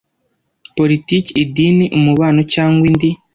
politiki idini umubano cyangwa indi